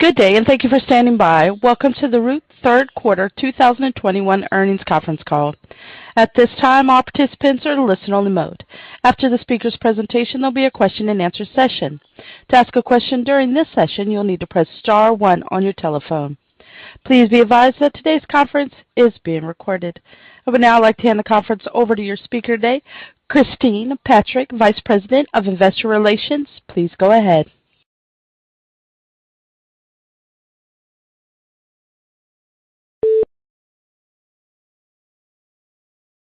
Good day, and thank you for standing by. Welcome to the Root Q3 2021 Earnings Conference Call. At this time, all participants are in listen-only mode. After the speaker's presentation, there'll be a question-and-answer session. To ask a question during this session, you'll need to press star one on your telephone. Please be advised that today's conference is being recorded. I would now like to hand the conference over to your speaker today, Christine Patrick, Vice President of Investor Relations. Please go ahead.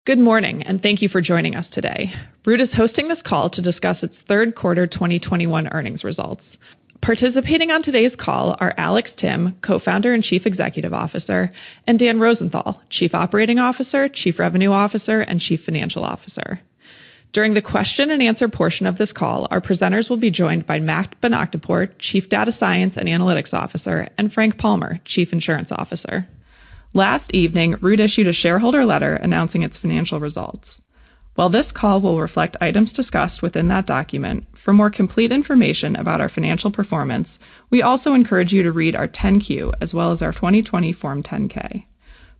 Good morning, and thank you for joining us today. Root is hosting this call to discuss its Q3 2021 earnings results. Participating on today's call are Alex Timm, Co-Founder and Chief Executive Officer, and Dan Rosenthal, Chief Operating Officer, Chief Revenue Officer, and Chief Financial Officer. During the question-and-answer portion of this call, our presenters will be joined by Matt Bonakdarpour, Chief Data Science and Analytics Officer, and Frank Palmer, Chief Insurance Officer. Last evening, Root issued a shareholder letter announcing its financial results. While this call will reflect items discussed within that document, for more complete information about our financial performance, we also encourage you to read our 10-Q as well as our 2020 Form 10-K.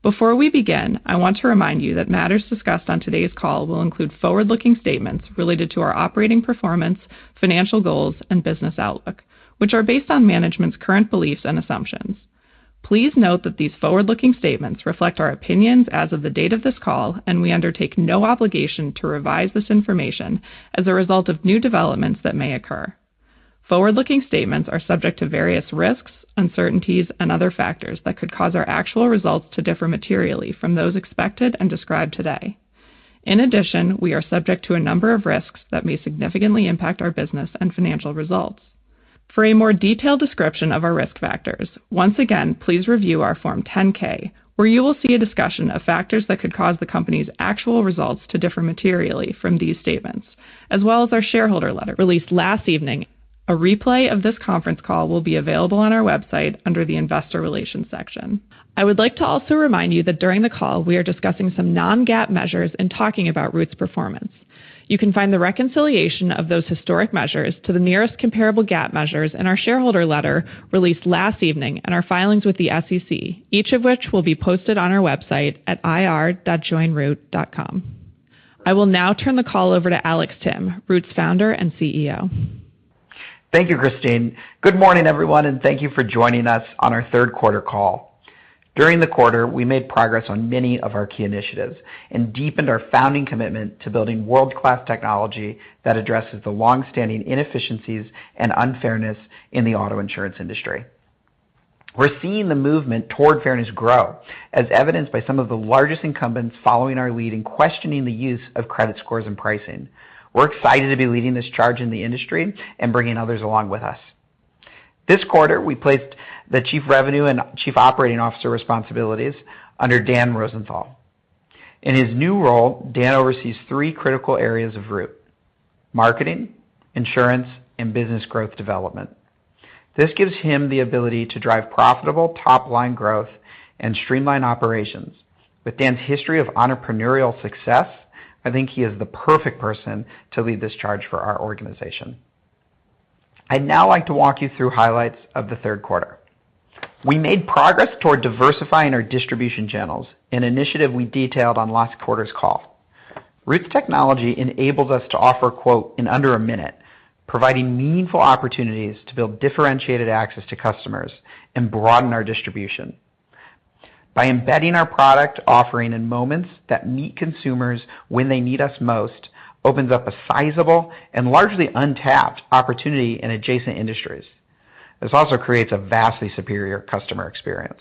Before we begin, I want to remind you that matters discussed on today's call will include forward-looking statements related to our operating performance, financial goals, and business outlook, which are based on management's current beliefs and assumptions. Please note that these forward-looking statements reflect our opinions as of the date of this call, and we undertake no obligation to revise this information as a result of new developments that may occur. Forward-looking statements are subject to various risks, uncertainties, and other factors that could cause our actual results to differ materially from those expected and described today. In addition, we are subject to a number of risks that may significantly impact our business and financial results. For a more detailed description of our risk factors, once again, please review our Form 10-K, where you will see a discussion of factors that could cause the company's actual results to differ materially from these statements, as well as our shareholder letter released last evening. A replay of this conference call will be available on our website under the Investor Relations section. I would like to also remind you that during the call, we are discussing some non-GAAP measures in talking about Root's performance. You can find the reconciliation of those historical measures to the nearest comparable GAAP measures in our shareholder letter released last evening and our filings with the SEC, each of which will be posted on our website at ir.joinroot.com. I will now turn the call over to Alex Timm, Root's founder and CEO. Thank you, Christine. Good morning, everyone, and thank you for joining us on our Q3 call. During the quarter, we made progress on many of our key initiatives and deepened our founding commitment to building world-class technology that addresses the long-standing inefficiencies and unfairness in the auto insurance industry. We're seeing the movement toward fairness grow, as evidenced by some of the largest incumbents following our lead in questioning the use of credit scores and pricing. We're excited to be leading this charge in the industry and bringing others along with us. This quarter, we placed the Chief Revenue and Chief Operating Officer responsibilities under Dan Rosenthal. In his new role, Dan oversees three critical areas of Root: marketing, insurance, and business growth development. This gives him the ability to drive profitable top-line growth and streamline operations. With Dan's history of entrepreneurial success, I think he is the perfect person to lead this charge for our organization. I'd now like to walk you through highlights of the Q3. We made progress toward diversifying our distribution channels, an initiative we detailed on last quarter's call. Root's technology enables us to offer a quote in under a minute, providing meaningful opportunities to build differentiated access to customers and broaden our distribution. By embedding our product offering in moments that meet consumers when they need us most opens up a sizable and largely untapped opportunity in adjacent industries. This also creates a vastly superior customer experience.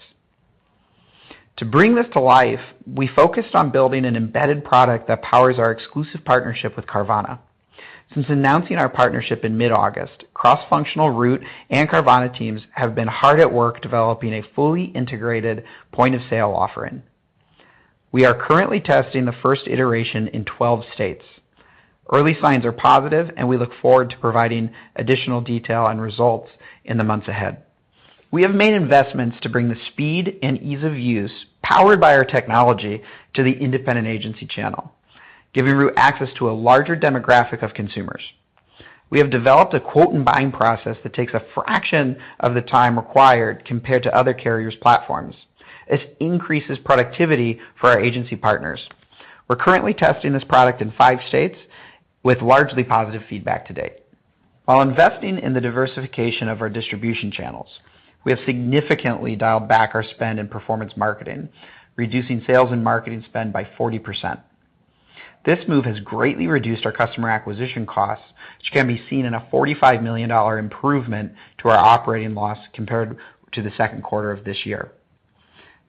To bring this to life, we focused on building an embedded product that powers our exclusive partnership with Carvana. Since announcing our partnership in mid-August, cross-functional Root and Carvana teams have been hard at work developing a fully integrated point-of-sale offering. We are currently testing the first iteration in 12 states. Early signs are positive, and we look forward to providing additional detail on results in the months ahead. We have made investments to bring the speed and ease of use powered by our technology to the independent agency channel, giving Root access to a larger demographic of consumers. We have developed a quote and buying process that takes a fraction of the time required compared to other carriers' platforms. This increases productivity for our agency partners. We're currently testing this product in five states with largely positive feedback to date. While investing in the diversification of our distribution channels, we have significantly dialed back our spend in performance marketing, reducing sales and marketing spend by 40%. This move has greatly reduced our customer acquisition costs, which can be seen in a $45 million improvement to our operating loss compared to the Q2 of this year.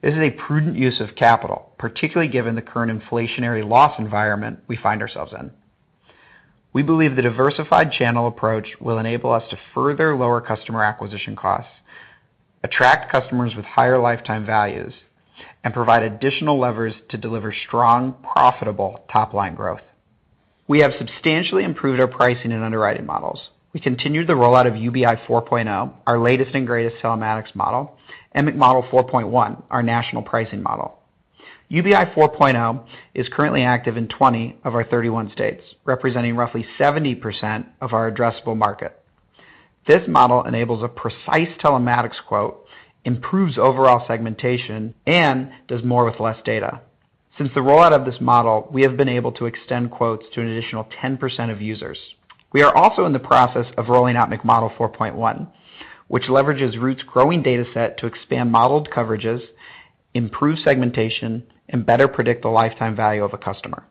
This is a prudent use of capital, particularly given the current inflationary loss environment we find ourselves in. We believe the diversified channel approach will enable us to further lower customer acquisition costs, attract customers with higher lifetime values, and provide additional levers to deliver strong, profitable top-line growth. We have substantially improved our pricing and underwriting models. We continued the rollout of UBI 4.0, our latest and greatest telematics model, and MacModel 4.1, our national pricing model. UBI 4.0 is currently active in 20 of our 31 states, representing roughly 70% of our addressable market. This model enables a precise telematics quote, improves overall segmentation, and does more with less data. Since the rollout of this model, we have been able to extend quotes to an additional 10% of users. We are also in the process of rolling out MacModel 4.1, which leverages Root's growing dataset to expand modeled coverages, improve segmentation, and better predict the lifetime value of a customer.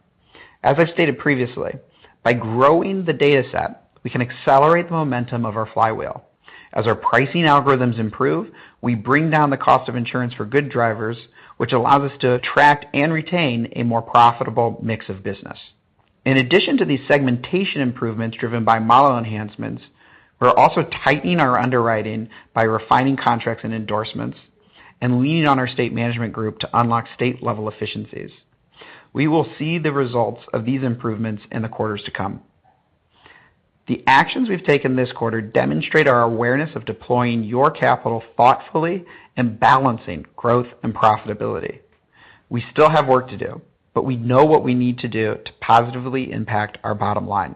As I stated previously, by growing the dataset, we can accelerate the momentum of our flywheel. As our pricing algorithms improve, we bring down the cost of insurance for good drivers, which allows us to attract and retain a more profitable mix of business. In addition to these segmentation improvements driven by model enhancements, we're also tightening our underwriting by refining contracts and endorsements and leaning on our state management group to unlock state-level efficiencies. We will see the results of these improvements in the quarters to come. The actions we've taken this quarter demonstrate our awareness of deploying your capital thoughtfully and balancing growth and profitability. We still have work to do, but we know what we need to do to positively impact our bottom line.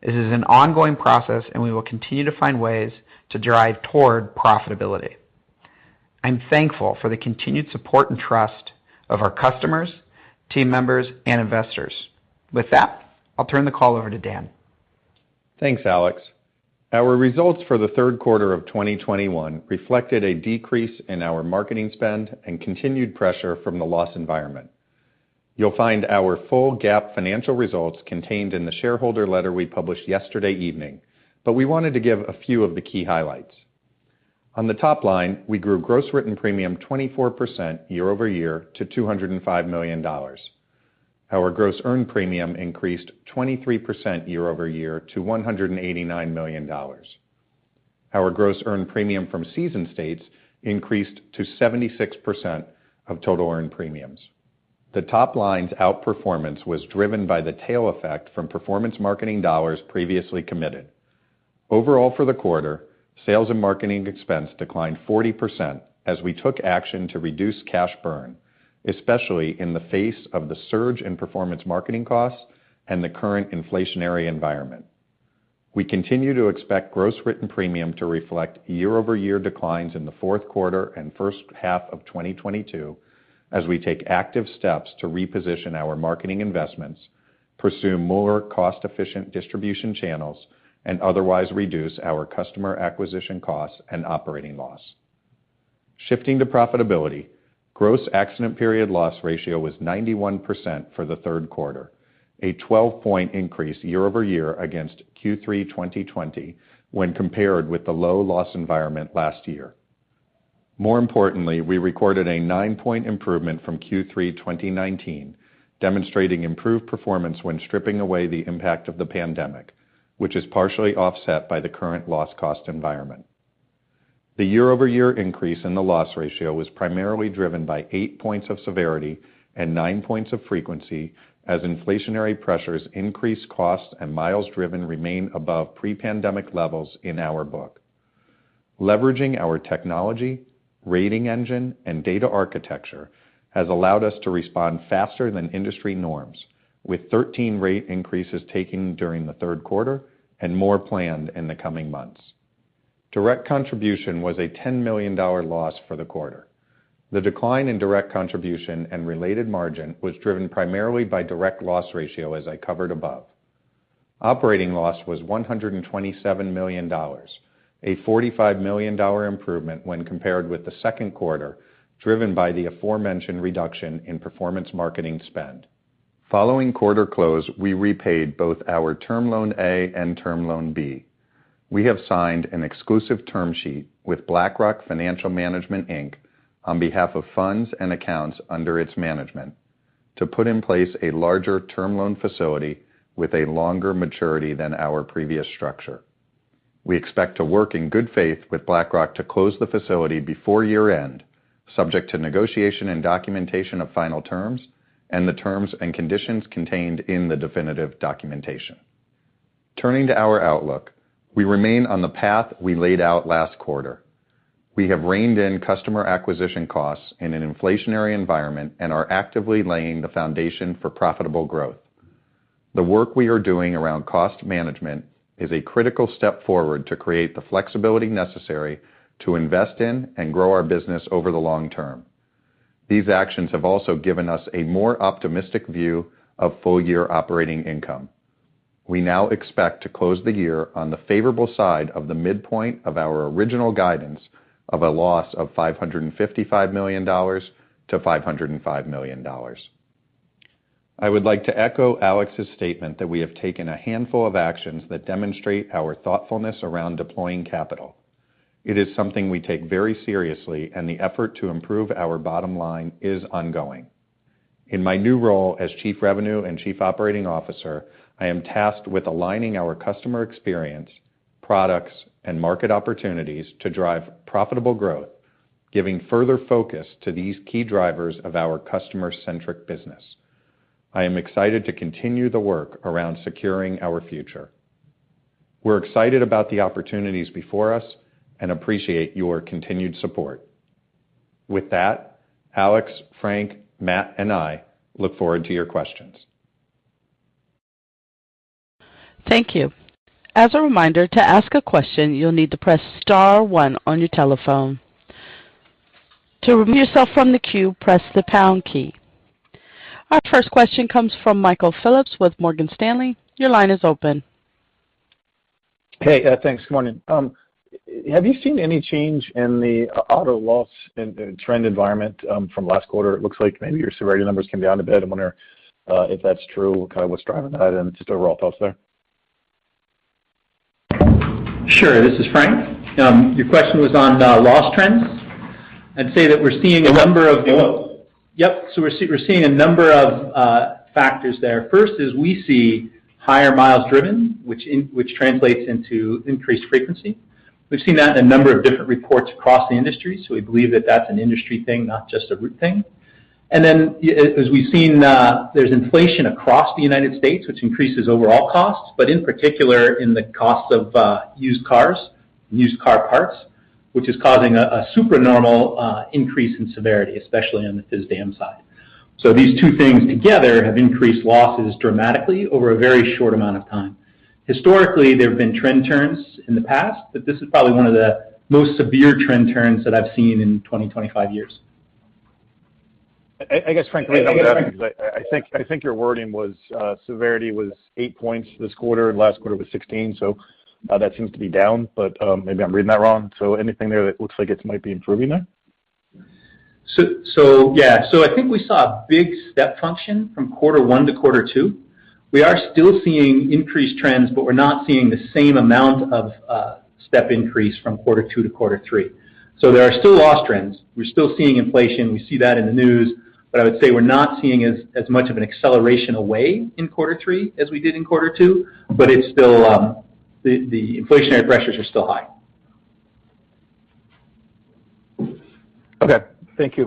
This is an ongoing process, and we will continue to find ways to drive toward profitability. I'm thankful for the continued support and trust of our customers, team members, and investors. With that, I'll turn the call over to Dan. Thanks, Alex. Our results for the Q3 of 2021 reflected a decrease in our marketing spend and continued pressure from the loss environment. You'll find our full GAAP financial results contained in the shareholder letter we published yesterday evening, but we wanted to give a few of the key highlights. On the top line, we grew gross written premium 24% year-over-year to $205 million. Our gross earned premium increased 23% year-over-year to $189 million. Our gross earned premium from seasoned states increased to 76% of total earned premiums. The top line's outperformance was driven by the tail effect from performance marketing dollars previously committed. Overall, for the quarter, sales and marketing expense declined 40% as we took action to reduce cash burn, especially in the face of the surge in performance marketing costs and the current inflationary environment. We continue to expect gross written premium to reflect year-over-year declines in the Q4 and first half of 2022 as we take active steps to reposition our marketing investments, pursue more cost-efficient distribution channels, and otherwise reduce our customer acquisition costs and operating loss. Shifting to profitability, gross accident period loss ratio was 91% for the Q3, a 12-point increase year-over-year against Q3 2020 when compared with the low loss environment last year. More importantly, we recorded a nine-point improvement from Q3 2019, demonstrating improved performance when stripping away the impact of the pandemic, which is partially offset by the current loss cost environment. The year-over-year increase in the loss ratio was primarily driven by 8 points of severity and 9 points of frequency as inflationary pressures increased costs and miles driven remain above pre-pandemic levels in our book. Leveraging our technology, rating engine, and data architecture has allowed us to respond faster than industry norms with 13 rate increases taken during the Q3 and more planned in the coming months. Direct contribution was a $10 million loss for the quarter. The decline in direct contribution and related margin was driven primarily by direct loss ratio, as I covered above. Operating loss was $127 million, a $45 million improvement when compared with the Q2, driven by the aforementioned reduction in performance marketing spend. Following quarter close, we repaid both our Term Loan A and Term Loan B. We have signed an exclusive term sheet with BlackRock Financial Management, Inc., on behalf of funds and accounts under its management to put in place a larger term loan facility with a longer maturity than our previous structure. We expect to work in good faith with BlackRock to close the facility before year-end, subject to negotiation and documentation of final terms and the terms and conditions contained in the definitive documentation. Turning to our outlook, we remain on the path we laid out last quarter. We have reined in customer acquisition costs in an inflationary environment and are actively laying the foundation for profitable growth. The work we are doing around cost management is a critical step forward to create the flexibility necessary to invest in and grow our business over the long term. These actions have also given us a more optimistic view of full year operating income. We now expect to close the year on the favorable side of the midpoint of our original guidance of a loss of $555 million-$505 million. I would like to echo Alex's statement that we have taken a handful of actions that demonstrate our thoughtfulness around deploying capital. It is something we take very seriously, and the effort to improve our bottom line is ongoing. In my new role as Chief Revenue and Chief Operating Officer, I am tasked with aligning our customer experience, products, and market opportunities to drive profitable growth, giving further focus to these key drivers of our customer-centric business. I am excited to continue the work around securing our future. We're excited about the opportunities before us and appreciate your continued support. With that, Alex, Frank, Matt, and I look forward to your questions. Thank you. As a reminder, to ask a question, you'll need to press star one on your telephone. To remove yourself from the queue, press the pound key. Our first question comes from Michael Phillips with Morgan Stanley. Your line is open. Hey, thanks. Good morning. Have you seen any change in the auto loss trend environment from last quarter? It looks like maybe your severity numbers came down a bit. I wonder if that's true, kind of what's driving that and just overall thoughts there. Sure. This is Frank. Your question was on loss trends. I'd say that we're seeing a number of Yep. We're seeing a number of factors there. First is we see higher miles driven, which translates into increased frequency. We've seen that in a number of different reports across the industry. We believe that that's an industry thing, not just a Root thing. As we've seen, there's inflation across the United States, which increases overall costs, but in particular in the cost of used cars and used car parts, which is causing a supernormal increase in severity, especially on the phys dam side. These two things together have increased losses dramatically over a very short amount of time. Historically, there have been trend turns in the past, but this is probably one of the most severe trend turns that I've seen in 25 years. I guess, Frank, I think your wording was severity was eight points this quarter and last quarter was 16 points, so that seems to be down, but maybe I'm reading that wrong. Anything there that looks like it might be improving that? Yeah. I think we saw a big step function from Q1 to Q2. We are still seeing increased trends, but we're not seeing the same amount of step increase from Q2 to Q3. There are still loss trends. We're still seeing inflation. We see that in the news. I would say we're not seeing as much of an acceleration away in Q3 as we did in Q2, but it's still the inflationary pressures are still high. Okay. Thank you.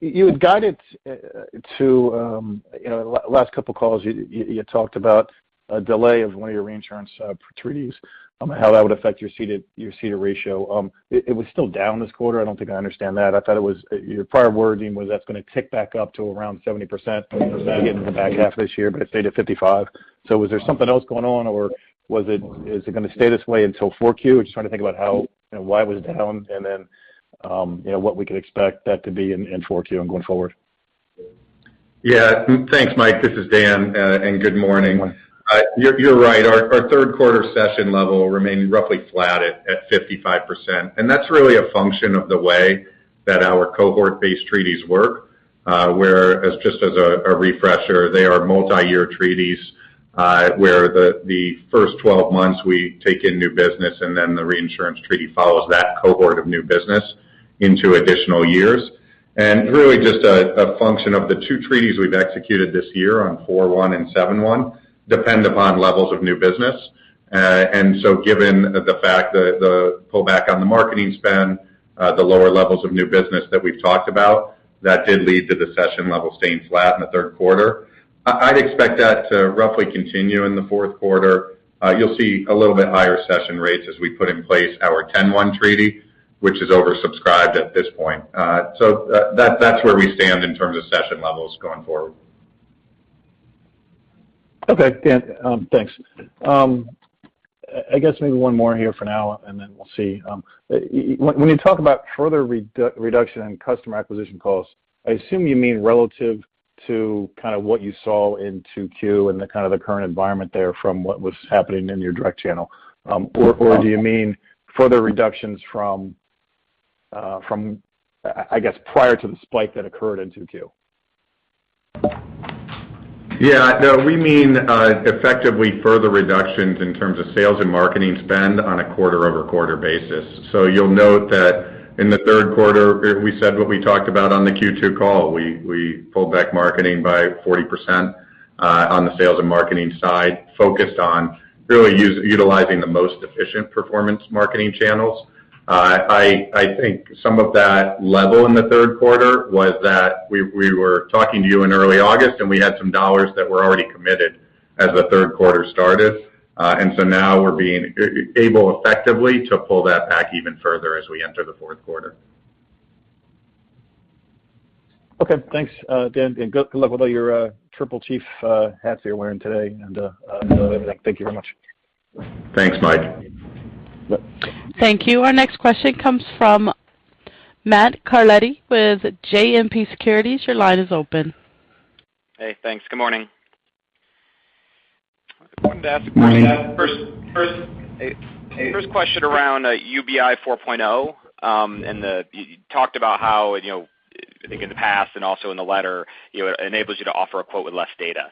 You had guided to, you know, last couple calls, you talked about a delay of one of your reinsurance treaties on how that would affect your ceded ratio. It was still down this quarter. I don't think I understand that. I thought it was. Your prior wording was that's gonna tick back up to around 70% in the back half of this year, but it stayed at 55%. Was there something else going on or is it gonna stay this way until 4Q? Just trying to think about how and why it was down and then, you know, what we could expect that to be in 4Q and going forward. Yeah. Thanks, Mike. This is Dan, and good morning. You're right. Our Q3 cession level remained roughly flat at 55%. That's really a function of the way that our cohort-based treaties work, where, as a refresher, they are multiyear treaties, where the first 12 months we take in new business, and then the reinsurance treaty follows that cohort of new business into additional years. Really just a function of the two treaties we've executed this year on 4/1 and 7/1 depend upon levels of new business. Given the fact that the pullback on the marketing spend, the lower levels of new business that we've talked about, that did lead to the cession level staying flat in the Q3. I'd expect that to roughly continue in the Q4. You'll see a little bit higher cession rates as we put in place our 10-1 treaty, which is oversubscribed at this point. That's where we stand in terms of cession levels going forward. Okay. Yeah. Thanks. I guess maybe one more here for now, and then we'll see. When you talk about further reduction in customer acquisition costs, I assume you mean relative to kind of what you saw in 2Q and the kind of the current environment there from what was happening in your direct channel. Do you mean further reductions from, I guess, prior to the spike that occurred in 2Q? Yeah. No, we mean effectively further reductions in terms of sales and marketing spend on a quarter-over-quarter basis. You'll note that in the Q3, we said what we talked about on the Q2 call. We pulled back marketing by 40% on the sales and marketing side, focused on really utilizing the most efficient performance marketing channels. I think some of that level in the Q3 was that we were talking to you in early August, and we had some dollars that were already committed as the Q3 started. Now we're being able effectively to pull that back even further as we enter the Q4. Okay, thanks, Dan. Although you're a triple chief hats you're wearing today and thank you very much. Thanks, Mike. Thank you. Our next question comes from Matt Carletti with JMP Securities. Your line is open. Hey, thanks. Good morning. First question around UBI 4.0, and you talked about how, you know, I think in the past and also in the letter, you know, it enables you to offer a quote with less data.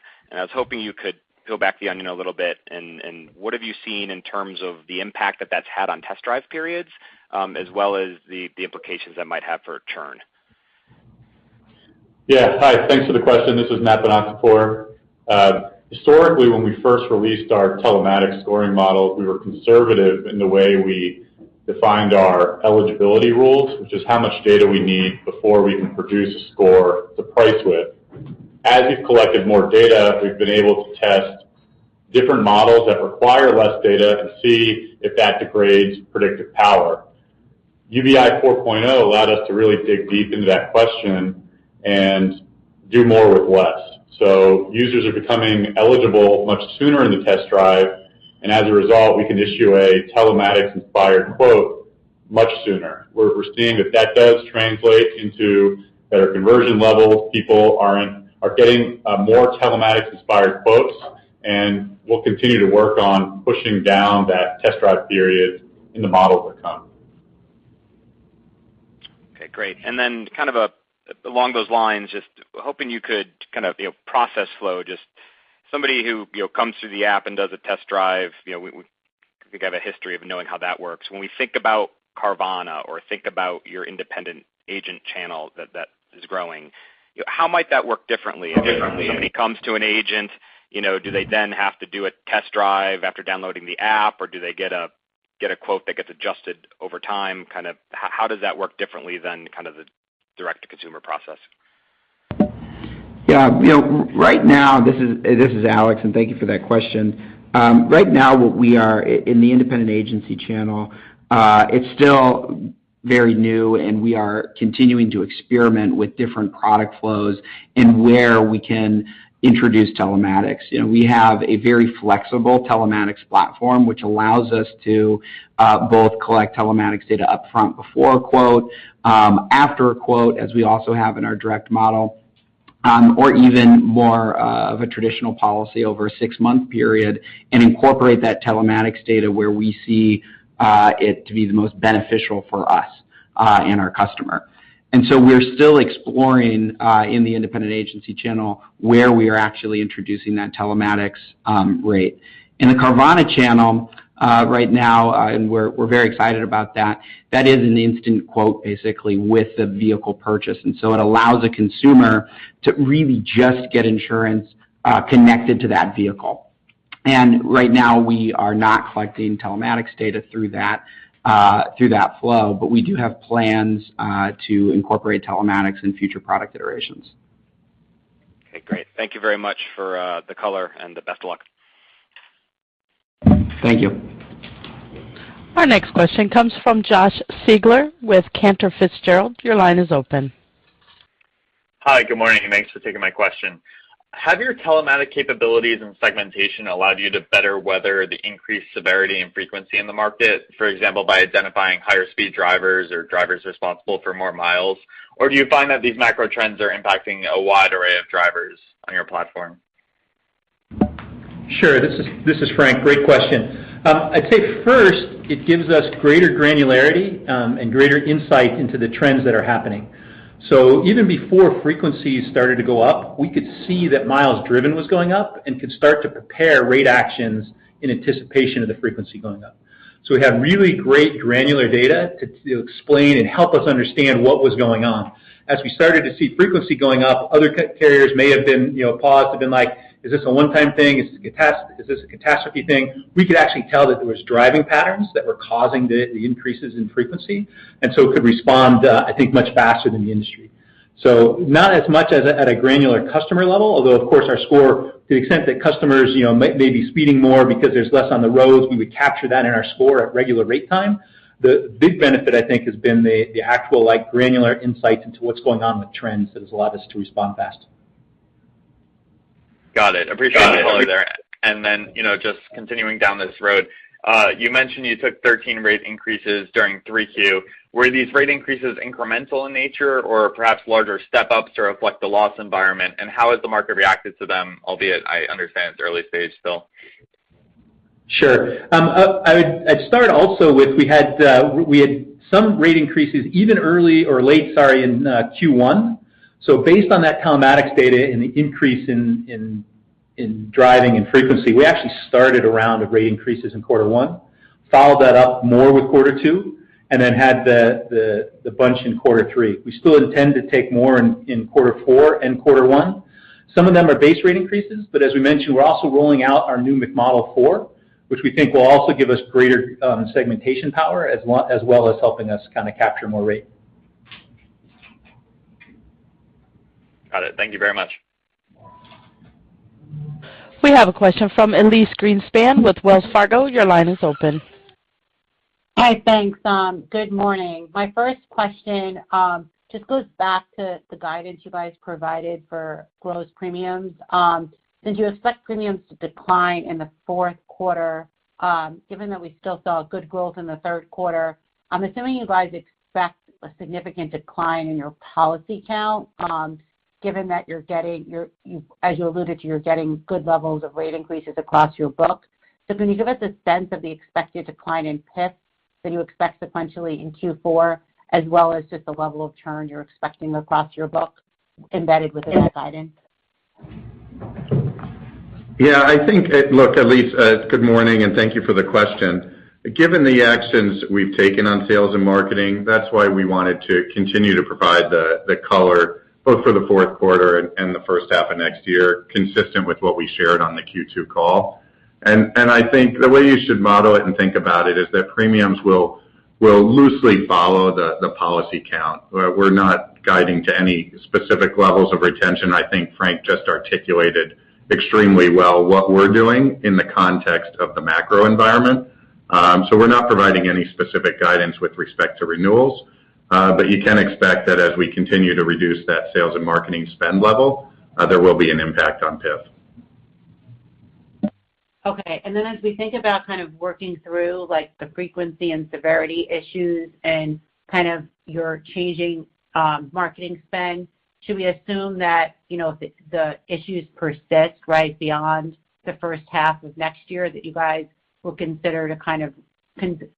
What have you seen in terms of the impact that that's had on test drive periods, as well as the implications that might have for churn? Yeah. Hi. Thanks for the question. This is Matt Bonakdarpour. Historically, when we first released our telematics scoring model, we were conservative in the way we defined our eligibility rules, which is how much data we need before we can produce a score to price with. As we've collected more data, we've been able to test different models that require less data to see if that degrades predictive power. UBI 4.0 allowed us to really dig deep into that question and do more with less. Users are becoming eligible much sooner in the test drive, and as a result, we can issue a telematics inspired quote much sooner. We're seeing that does translate into better conversion levels. People are getting more telematics inspired quotes, and we'll continue to work on pushing down that test drive period in the models that come. Okay, great. Along those lines, just hoping you could kind of, you know, process flow. Just somebody who, you know, comes through the app and does a test drive. You know, we think I have a history of knowing how that works. When we think about Carvana or think about your independent agent channel that is growing, how might that work differently when he comes to an agent, you know, do they then have to do a test drive after downloading the app, or do they get a quote that gets adjusted over time? Kind of how does that work differently than kind of the direct-to-consumer process? Yeah. You know, right now, this is Alex, and thank you for that question. Right now what we are in the independent agency channel, it's still very new, and we are continuing to experiment with different product flows and where we can introduce telematics. You know, we have a very flexible telematics platform which allows us to both collect telematics data upfront before a quote, after a quote, as we also have in our direct model, or even more of a traditional policy over a six-month period, and incorporate that telematics data where we see it to be the most beneficial for us and our customer. We're still exploring in the independent agency channel where we are actually introducing that telematics rate. In the Carvana channel, right now, and we're very excited about that is an instant quote, basically with the vehicle purchase. It allows a consumer to really just get insurance connected to that vehicle. Right now we are not collecting telematics data through that flow. We do have plans to incorporate telematics in future product iterations. Okay, great. Thank you very much for the color and best of luck. Thank you. Our next question comes from Josh Siegler with Cantor Fitzgerald. Your line is open. Hi. Good morning. Thanks for taking my question. Have your telematics capabilities and segmentation allowed you to better weather the increased severity and frequency in the market, for example, by identifying higher speed drivers or drivers responsible for more miles? Or do you find that these macro trends are impacting a wide array of drivers on your platform? Sure. This is Frank. Great question. I'd say first it gives us greater granularity and greater insight into the trends that are happening. Even before frequencies started to go up, we could see that miles driven was going up and could start to prepare rate actions in anticipation of the frequency going up. We have really great granular data to explain and help us understand what was going on. As we started to see frequency going up, other carriers may have been, you know, paused and been like, is this a one-time thing? Is this a catastrophe thing? We could actually tell that it was driving patterns that were causing the increases in frequency, and so could respond, I think much faster than the industry. Not as much as at a granular customer level, although of course our score to the extent that customers, you know, may be speeding more because there's less on the roads, we would capture that in our score at regular rating time. The big benefit, I think has been the actual like granular insights into what's going on with trends that has allowed us to respond faster. Got it. Appreciate the color there. You know, just continuing down this road, you mentioned you took 13 rate increases during 3Q. Were these rate increases incremental in nature or perhaps larger step ups to reflect the loss environment? How has the market reacted to them, albeit I understand it's early stage still. Sure. I'd start also with we had some rate increases even early or late, sorry, in Q1. Based on that telematics data and the increase in driving and frequency, we actually started a round of rate increases in Q1, followed that up more with Q2, and then had the bunch in Q3. We still intend to take more in Q4 and Q1. Some of them are base rate increases, but as we mentioned, we're also rolling out our new MacModel 4, which we think will also give us greater segmentation power as well as helping us kind of capture more rate. Got it. Thank you very much. We have a question from Elyse Greenspan with Wells Fargo. Your line is open. Hi. Thanks, good morning. My first question just goes back to the guidance you guys provided for gross premiums. Did you expect premiums to decline in the Q4, given that we still saw good growth in the Q3? I'm assuming you guys expect a significant decline in your policy count, given that, as you alluded to, you're getting good levels of rate increases across your books. Can you give us a sense of the expected decline in PIFs that you expect sequentially in Q4, as well as just the level of churn you're expecting across your books embedded within that guidance? Look, Elyse, good morning, and thank you for the question. Given the actions we've taken on sales and marketing, that's why we wanted to continue to provide the color both for the Q4 and the first half of next year, consistent with what we shared on the Q2 call. I think the way you should model it and think about it is that premiums will loosely follow the policy count. We're not guiding to any specific levels of retention. I think Frank just articulated extremely well what we're doing in the context of the macro environment. We're not providing any specific guidance with respect to renewals. You can expect that as we continue to reduce that sales and marketing spend level, there will be an impact on PIF. Okay. As we think about kind of working through like the frequency and severity issues and kind of your changing marketing spend, should we assume that, you know, if the issues persist right beyond the first half of next year, that you guys will consider to kind of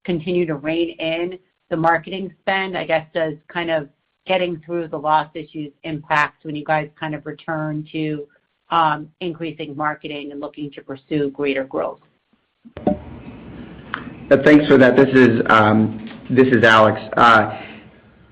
continue to rein in the marketing spend, I guess, as kind of getting through the loss issues impact when you guys kind of return to increasing marketing and looking to pursue greater growth? Thanks for that. This is Alex. You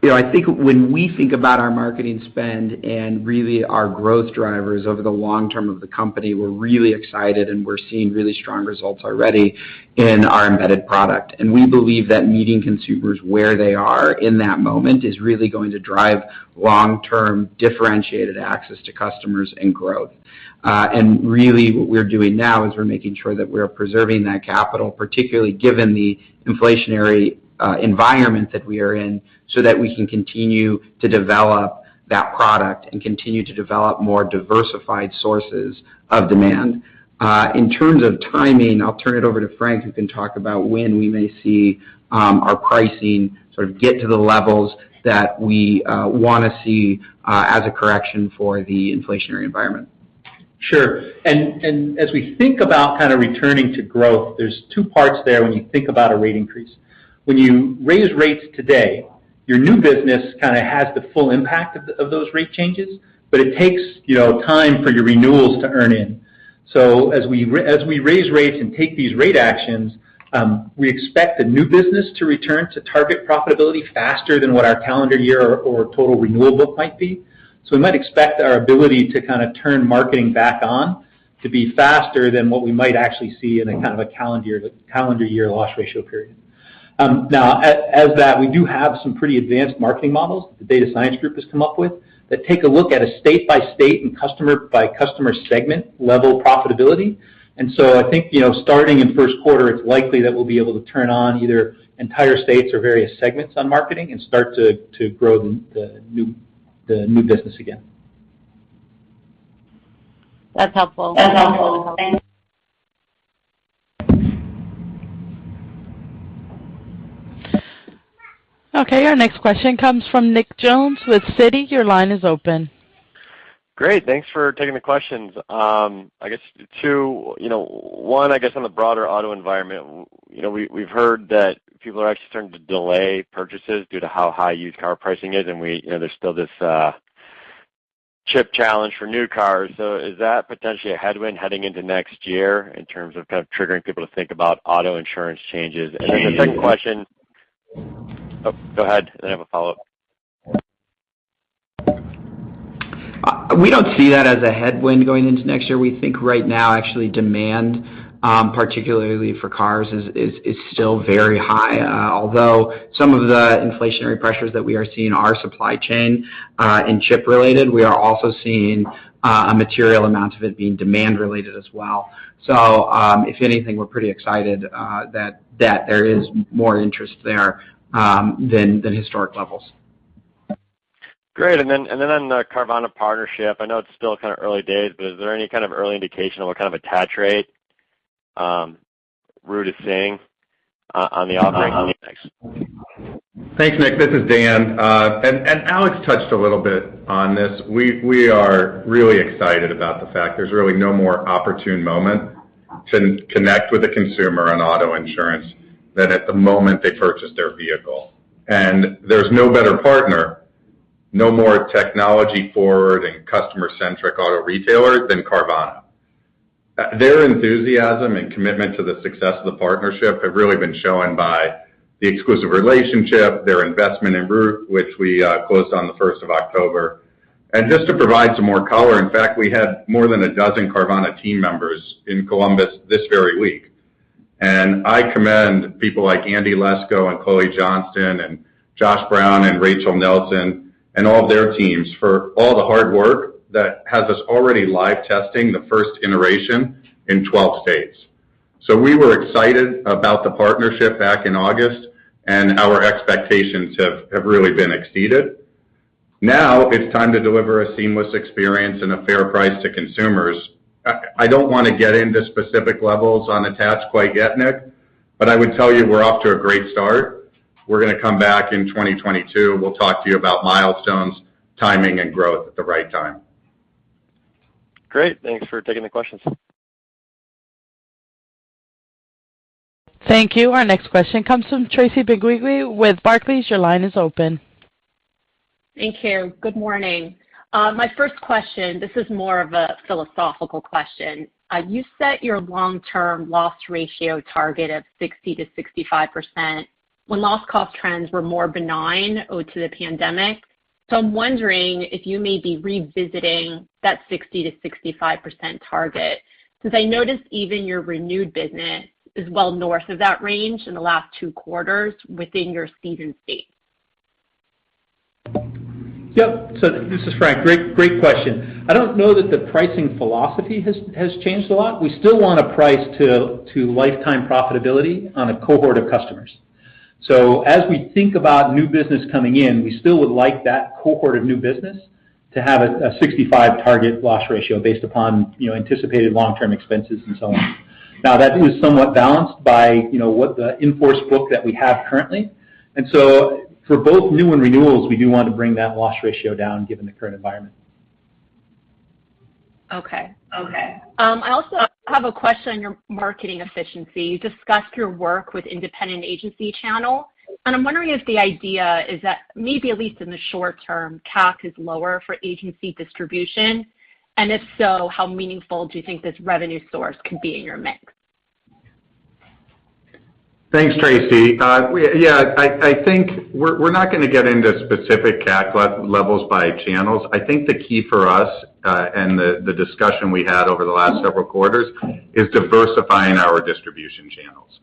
know, I think when we think about our marketing spend and really our growth drivers over the long term of the company, we're really excited, and we're seeing really strong results already in our embedded product. We believe that meeting consumers where they are in that moment is really going to drive long-term differentiated access to customers and growth. Really what we're doing now is we're making sure that we're preserving that capital, particularly given the inflationary environment that we are in, so that we can continue to develop that product and continue to develop more diversified sources of demand. In terms of timing, I'll turn it over to Frank, who can talk about when we may see our pricing sort of get to the levels that we wanna see as a correction for the inflationary environment. Sure. As we think about kind of returning to growth, there's two parts there when you think about a rate increase. When you raise rates today, your new business kind of has the full impact of those rate changes, but it takes, you know, time for your renewals to earn in. As we raise rates and take these rate actions, we expect the new business to return to target profitability faster than what our calendar year or total renewal book might be. We might expect our ability to kind of turn marketing back on to be faster than what we might actually see in a calendar year loss ratio period. We do have some pretty advanced marketing models the data science group has come up with that take a look at a state-by-state and customer-by-customer segment-level profitability. I think, you know, starting in Q1, it's likely that we'll be able to turn on either entire states or various segments on marketing and start to grow the new business again. That's helpful. Okay, our next question comes from Nick Jones with Citi. Your line is open. Great. Thanks for taking the questions. I guess two, you know, one, I guess on the broader auto environment, you know, we've heard that people are actually starting to delay purchases due to how high used car pricing is, and, you know, there's still this chip challenge for new cars. So is that potentially a headwind heading into next year in terms of kind of triggering people to think about auto insurance changes? And then the second question. Oh, go ahead. And I have a follow-up. We don't see that as a headwind going into next year. We think right now, actually demand, particularly for cars is still very high. Although some of the inflationary pressures that we are seeing are supply chain and chip related, we are also seeing a material amount of it being demand related as well. If anything, we're pretty excited that there is more interest there than historic levels. Great. On the Carvana partnership, I know it's still kind of early days, but is there any kind of early indication of what kind of attach rate Root is seeing on the offering from you guys? Thanks, Nick. This is Dan. Alex touched a little bit on this. We are really excited about the fact there's really no more opportune moment to connect with the consumer on auto insurance than at the moment they purchase their vehicle. There's no better partner, no more technology forward and customer-centric auto retailer than Carvana. Their enthusiasm and commitment to the success of the partnership have really been shown by the exclusive relationship, their investment in Root, which we closed on the first of October. Just to provide some more color, in fact, we had more than a dozen Carvana team members in Columbus this very week. I commend people like Andy Lesko and Chloe Johnston and Josh Brown and Rachel Nelson and all their teams for all the hard work that has us already live testing the first iteration in 12 states. We were excited about the partnership back in August, and our expectations have really been exceeded. Now it's time to deliver a seamless experience and a fair price to consumers. I don't wanna get into specific levels on attach quite yet, Nick, but I would tell you we're off to a great start. We're gonna come back in 2022. We'll talk to you about milestones, timing, and growth at the right time. Great. Thanks for taking the questions. Thank you. Our next question comes from Tracy Benguigui with Barclays. Your line is open. Thank you. Good morning. My first question, this is more of a philosophical question. You set your long-term loss ratio target of 60%-65% when loss cost trends were more benign due to the pandemic. I'm wondering if you may be revisiting that 60%-65% target, since I noticed even your renewed business is well north of that range in the last two quarters within your seasoned state. Yep. This is Frank. Great question. I don't know that the pricing philosophy has changed a lot. We still wanna price to lifetime profitability on a cohort of customers. As we think about new business coming in, we still would like that cohort of new business to have a 65% target loss ratio based upon, you know, anticipated long-term expenses and so on. Now, that is somewhat balanced by, you know, what the in-force book that we have currently. For both new and renewals, we do want to bring that loss ratio down given the current environment. I also have a question on your marketing efficiency. You discussed your work with independent agency channel, and I'm wondering if the idea is that maybe, at least in the short term, CAC is lower for agency distribution. If so, how meaningful do you think this revenue source could be in your mix? Thanks, Tracy. I think we're not gonna get into specific CAC levels by channels. I think the key for us, and the discussion we had over the last several quarters is diversifying our distribution channels.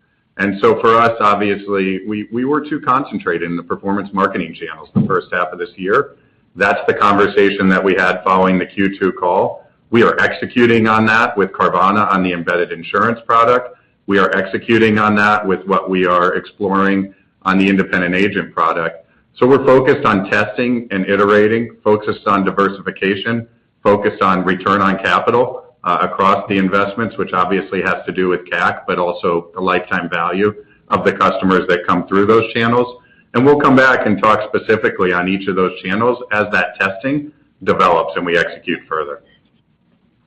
For us, obviously, we were too concentrated in the performance marketing channels the first half of this year. That's the conversation that we had following the Q2 call. We are executing on that with Carvana on the embedded insurance product. We are executing on that with what we are exploring on the independent agent product. We're focused on testing and iterating, focused on diversification, focused on return on capital, across the investments, which obviously has to do with CAC, but also the lifetime value of the customers that come through those channels. We'll come back and talk specifically on each of those channels as that testing develops and we execute further.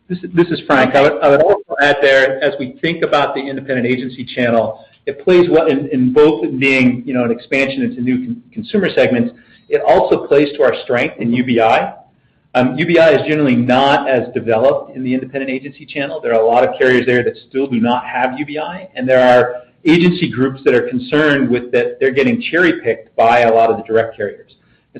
This is Frank. I would also add there, as we think about the independent agency channel, it plays well in both being, you know, an expansion into new consumer segments. It also plays to our strength in UBI. UBI is generally not as developed in the independent agency channel. There are a lot of carriers there that still do not have UBI, and there are agency groups that are concerned with that they're getting cherry-picked by a lot of the direct carriers.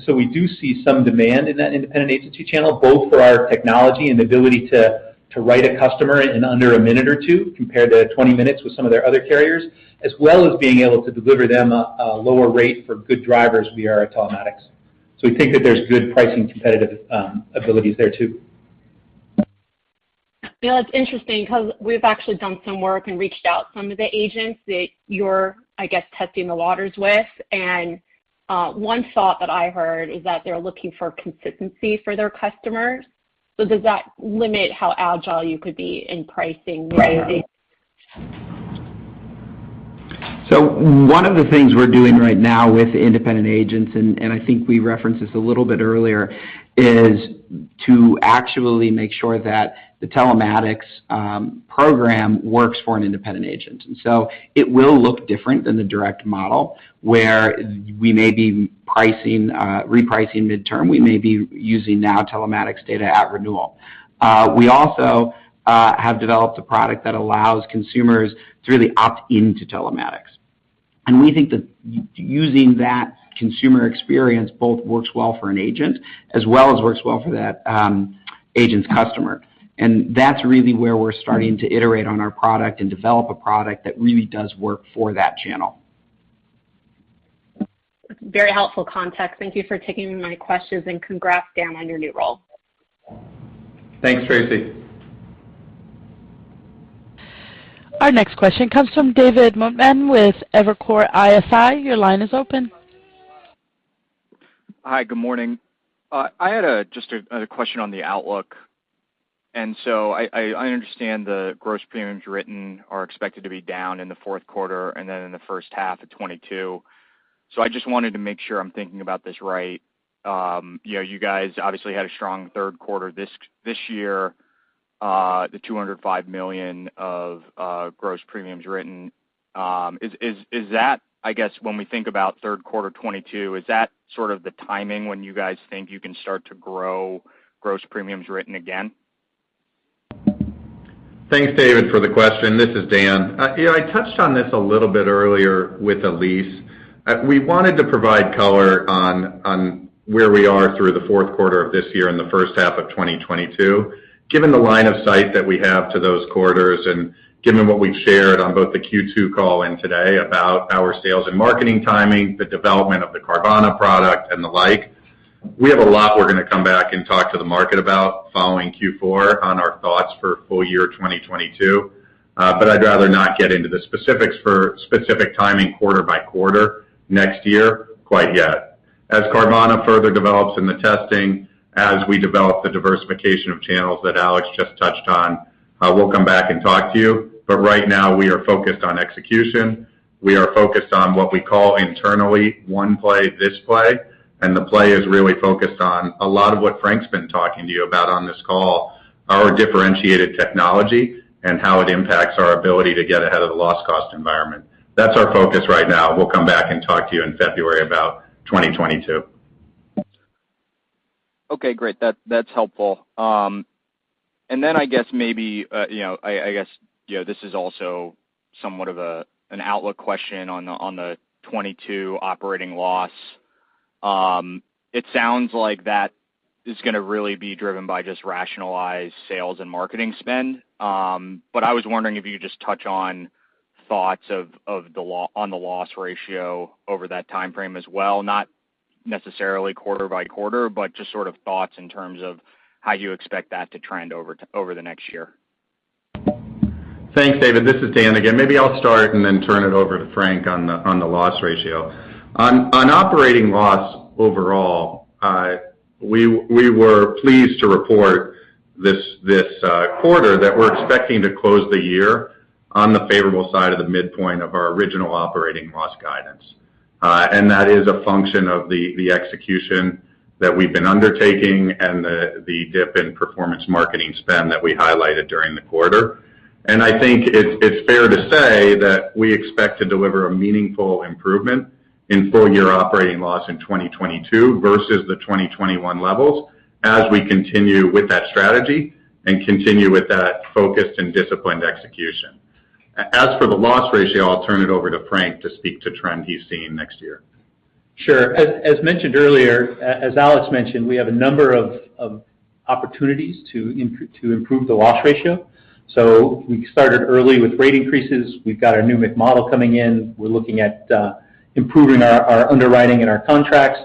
We do see some demand in that independent agency channel, both for our technology and ability to write a customer in under a minute or two, compared to 20 minutes with some of their other carriers, as well as being able to deliver them a lower rate for good drivers via our telematics. We think that there's good pricing competitive abilities there too. Yeah, that's interesting 'cause we've actually done some work and reached out to some of the agents that you're, I guess, testing the waters with. One thought that I heard is that they're looking for consistency for their customers. Does that limit how agile you could be in pricing new agents? One of the things we're doing right now with independent agents, and I think we referenced this a little bit earlier, is to actually make sure that the telematics program works for an independent agent. It will look different than the direct model, where we may be pricing, repricing midterm. We may be using now telematics data at renewal. We also have developed a product that allows consumers to really opt into telematics. We think that using that consumer experience both works well for an agent as well as works well for that agent's customer. That's really where we're starting to iterate on our product and develop a product that really does work for that channel. Very helpful context. Thank you for taking my questions, and congrats, Dan, on your new role. Thanks, Tracy. Our next question comes from David Motemaden with Evercore ISI. Your line is open. Hi. Good morning. I had a question on the outlook. I understand the gross premiums written are expected to be down in the Q4 and then in the first half of 2022. I just wanted to make sure I'm thinking about this right. You know, you guys obviously had a strong Q3 this year, the $205 million of gross premiums written. Is that, I guess, when we think about Q3 2022, the sort of timing when you guys think you can start to grow gross premiums written again? Thanks, David Motemaden, for the question. This is Dan Rosenthal. Yeah, I touched on this a little bit earlier with Elyse Greenspan. We wanted to provide color on where we are through the Q4 of this year and the first half of 2022. Given the line of sight that we have to those quarters and given what we've shared on both the Q2 call and today about our sales and marketing timing, the development of the Carvana product and the like, we have a lot we're gonna come back and talk to the market about following Q4 on our thoughts for full year 2022. I'd rather not get into the specifics for specific timing quarter by quarter next year quite yet. As Carvana further develops in the testing, as we develop the diversification of channels that Alex just touched on, we'll come back and talk to you. Right now we are focused on execution. We are focused on what we call internally, one play, this play, and the play is really focused on a lot of what Frank's been talking to you about on this call, our differentiated technology and how it impacts our ability to get ahead of the loss cost environment. That's our focus right now. We'll come back and talk to you in February about 2022. Okay, great. That's helpful. You know, this is also somewhat of an outlook question on the 2022 operating loss. But I was wondering if you could just touch on thoughts on the loss ratio over that timeframe as well, not necessarily quarter by quarter, but just sort of thoughts in terms of how you expect that to trend over the next year. Thanks, David. This is Dan again. Maybe I'll start and then turn it over to Frank on the loss ratio. On operating loss overall, we were pleased to report this quarter that we're expecting to close the year on the favorable side of the midpoint of our original operating loss guidance. That is a function of the execution that we've been undertaking and the dip in performance marketing spend that we highlighted during the quarter. I think it's fair to say that we expect to deliver a meaningful improvement in full year operating loss in 2022 versus the 2021 levels as we continue with that strategy and continue with that focused and disciplined execution. As for the loss ratio, I'll turn it over to Frank to speak to trend he's seeing next year. Sure. As mentioned earlier, as Alex mentioned, we have a number of opportunities to improve the loss ratio. We started early with rate increases. We've got our new MacModel coming in. We're looking at improving our underwriting and our contracts.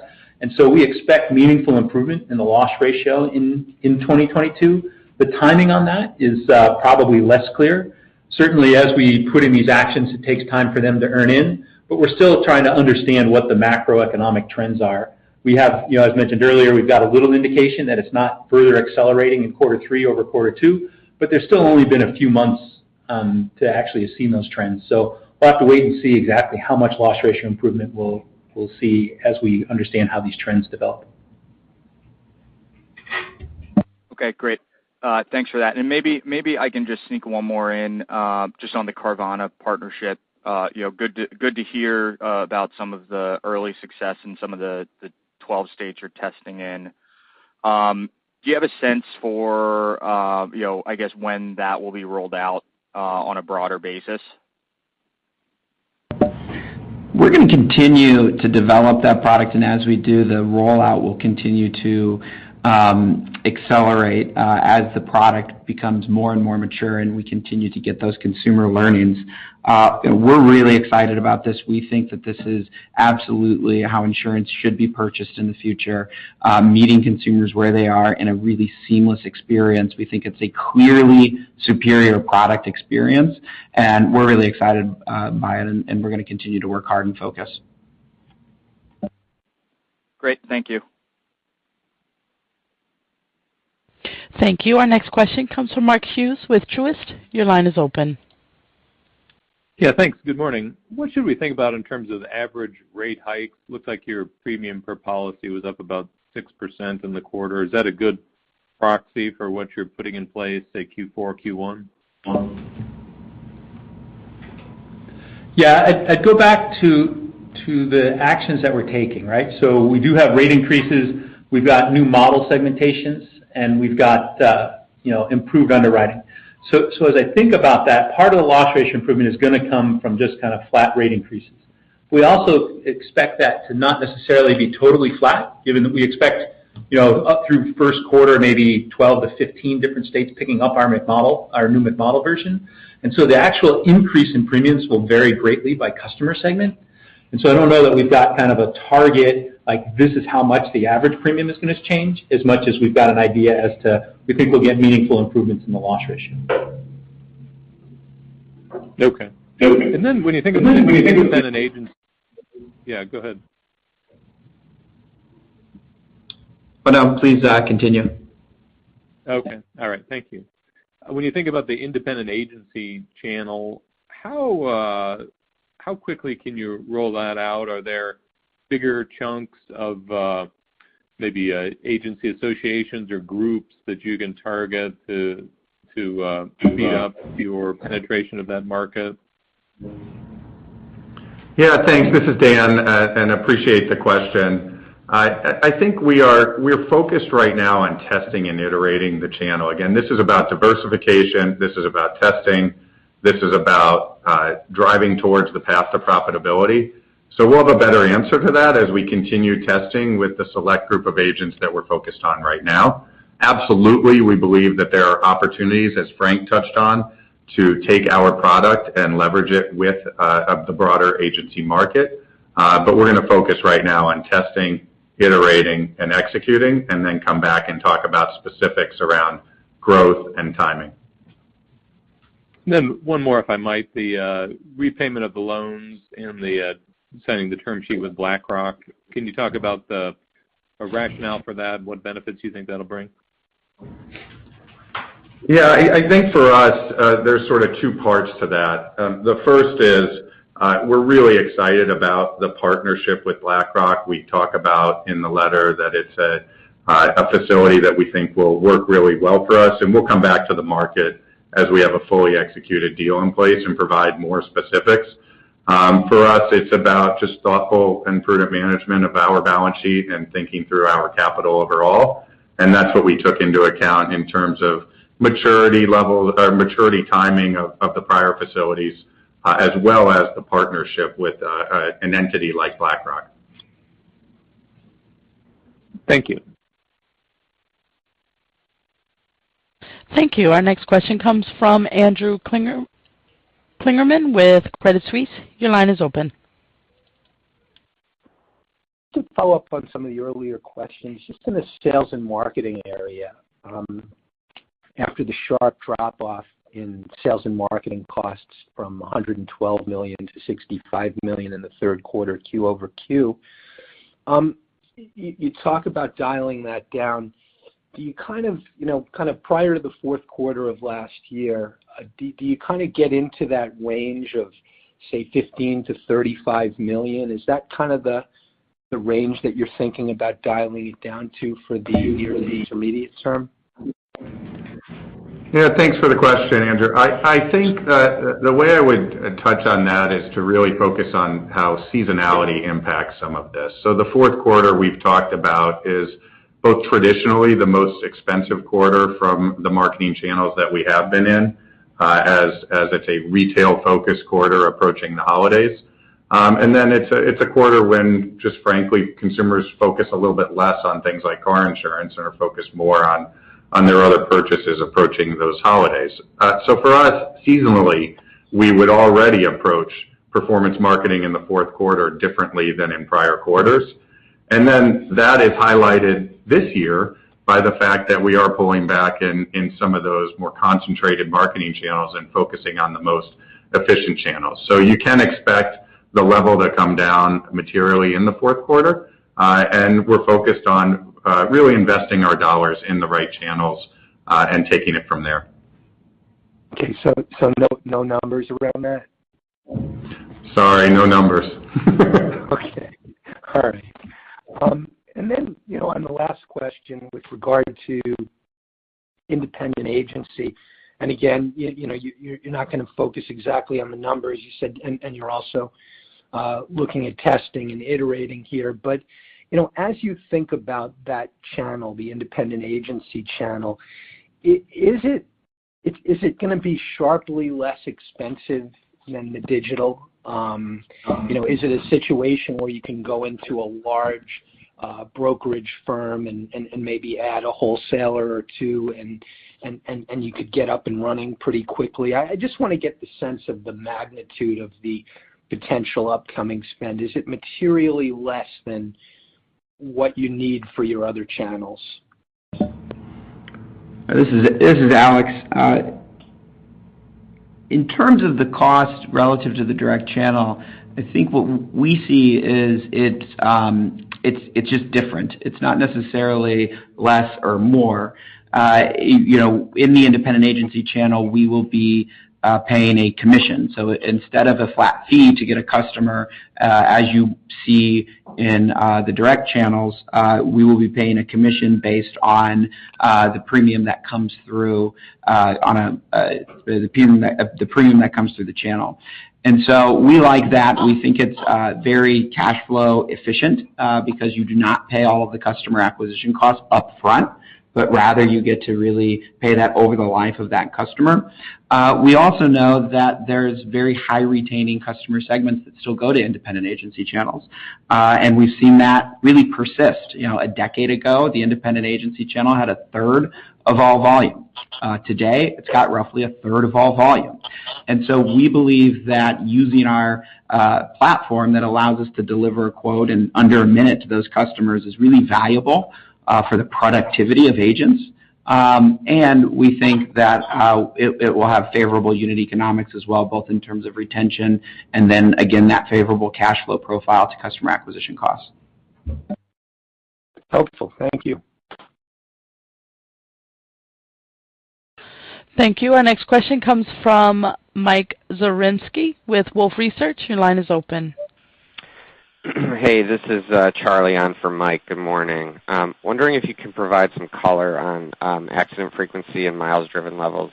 We expect meaningful improvement in the loss ratio in 2022. The timing on that is probably less clear. Certainly, as we put in these actions, it takes time for them to earn in, but we're still trying to understand what the macroeconomic trends are. We have, as mentioned earlier, we've got a little indication that it's not further accelerating in Q3 over Q2, but there's still only been a few months to actually have seen those trends. We'll have to wait and see exactly how much loss ratio improvement we'll see as we understand how these trends develop. Okay, great. Thanks for that. Maybe I can just sneak one more in, just on the Carvana partnership. You know, good to hear about some of the early success in some of the 12 states you're testing in. Do you have a sense for, you know, I guess, when that will be rolled out on a broader basis? We're gonna continue to develop that product, and as we do, the rollout will continue to accelerate as the product becomes more and more mature, and we continue to get those consumer learnings. We're really excited about this. We think that this is absolutely how insurance should be purchased in the future, meeting consumers where they are in a really seamless experience. We think it's a clearly superior product experience, and we're really excited by it, and we're gonna continue to work hard and focus. Great. Thank you. Thank you. Our next question comes from Mark Hughes with Truist. Your line is open. Yeah, thanks. Good morning. What should we think about in terms of average rate hikes? Looks like your premium per policy was up about 6% in the quarter. Is that a good proxy for what you're putting in place, say, Q4, Q1? Yeah. I'd go back to the actions that we're taking, right? We do have rate increases. We've got new model segmentations, and we've got improved underwriting. As I think about that, part of the loss ratio improvement is gonna come from just kind of flat rate increases. We also expect that to not necessarily be totally flat, given that we expect up through Q1, maybe 12-15 different states picking up our MacModel, our new MacModel version. The actual increase in premiums will vary greatly by customer segment. I don't know that we've got kind of a target, like, this is how much the average premium is gonna change as much as we've got an idea as to we think we'll get meaningful improvements in the loss ratio. Okay. When you think about an agent, yeah, go ahead. No, please, continue. Okay. All right. Thank you. When you think about the independent agency channel, how quickly can you roll that out? Are there bigger chunks of maybe agency associations or groups that you can target to speed up your penetration of that market? Yeah, thanks. This is Dan, and I appreciate the question. I think we're focused right now on testing and iterating the channel. Again, this is about diversification. This is about testing. This is about driving towards the path to profitability. We'll have a better answer to that as we continue testing with the select group of agents that we're focused on right now. Absolutely, we believe that there are opportunities, as Frank touched on, to take our product and leverage it with the broader agency market. We're gonna focus right now on testing, iterating, and executing, and then come back and talk about specifics around growth and timing. One more, if I might. The repayment of the loans and the signing of the term sheet with BlackRock. Can you talk about the rationale for that and what benefits you think that'll bring? Yeah. I think for us, there's sort of two parts to that. The first is, we're really excited about the partnership with BlackRock. We talk about in the letter that it's a facility that we think will work really well for us, and we'll come back to the market as we have a fully executed deal in place and provide more specifics. For us, it's about just thoughtful and prudent management of our balance sheet and thinking through our capital overall. That's what we took into account in terms of maturity level or maturity timing of the prior facilities, as well as the partnership with an entity like BlackRock. Thank you. Thank you. Our next question comes from Andrew Kligerman with Credit Suisse. Your line is open. To follow-up on some of the earlier questions, just in the sales and marketing area, after the sharp drop off in sales and marketing costs from $112 million to $65 million in the Q3 quarter-over-quarter. You talk about dialing that down. Do you kind of, you know, kind of prior to the Q4 of last year, do you kinda get into that range of, say, $15 million-$35 million? Is that kind of the range that you're thinking about dialing it down to for the near to intermediate term? Yeah, thanks for the question, Andrew. I think the way I would touch on that is to really focus on how seasonality impacts some of this. The Q4 we've talked about is both traditionally the most expensive quarter from the marketing channels that we have been in, as it's a retail focus quarter approaching the holidays. It's a quarter when, just frankly, consumers focus a little bit less on things like car insurance, and are focused more on their other purchases approaching those holidays. For us, seasonally, we would already approach performance marketing in the Q4 differently than in prior quarters. That is highlighted this year by the fact that we are pulling back in some of those more concentrated marketing channels and focusing on the most efficient channels. You can expect the level to come down materially in the Q4, and we're focused on really investing our dollars in the right channels, and taking it from there. Okay. No numbers around that? Sorry, no numbers. You know, on the last question with regard to independent agency, and again, you know, you're not gonna focus exactly on the numbers you said, and you're also looking at testing and iterating here. You know, as you think about that channel, the independent agency channel, is it gonna be sharply less expensive than the digital? You know, is it a situation where you can go into a large brokerage firm and you could get up and running pretty quickly? I just wanna get the sense of the magnitude of the potential upcoming spend. Is it materially less than what you need for your other channels? This is Alex. In terms of the cost relative to the direct channel, I think what we see is it's just different. It's not necessarily less or more. You know, in the independent agency channel, we will be paying a commission. Instead of a flat fee to get a customer, as you see in the direct channels, we will be paying a commission based on the premium that comes through the channel. We like that. We think it's very cash flow efficient, because you do not pay all of the customer acquisition costs upfront, but rather you get to really pay that over the life of that customer. We also know that there's very high retaining customer segments that still go to independent agency channels. We've seen that really persist. You know, a decade ago, the independent agency channel had 1/3 of all volume. Today, it's got roughly 1/3 of all volume. We believe that using our platform that allows us to deliver a quote in under a minute to those customers is really valuable for the productivity of agents. We think that it will have favorable unit economics as well, both in terms of retention and then again, that favorable cash flow profile to customer acquisition costs. Helpful. Thank you. Thank you. Our next question comes from Mike Zaremski with Wolfe Research. Your line is open. Hey, this is Charlie on for Mike. Good morning. Wondering if you can provide some color on accident frequency and miles driven levels